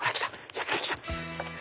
やって来た！